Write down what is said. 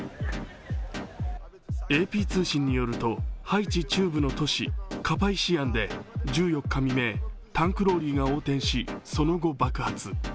ＡＰ通信によると、ハイチ中部の都市カパイシアンでタンクローリーが横転しその後、爆発。